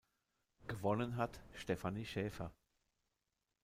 Gewonnen hat Stefani Schaeffer.